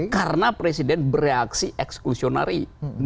karena presiden bereaksi exclusionary